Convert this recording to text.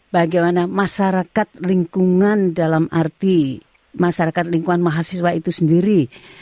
bagaimana masyarakat lingkungan dalam arti masyarakat lingkungan mahasiswa itu sendiri